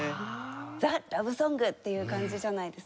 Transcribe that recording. ザ・ラブソングっていう感じじゃないですか。